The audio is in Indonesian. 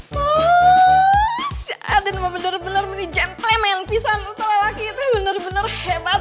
mas aden mah bener bener gentleman pisan laki laki bener bener hebat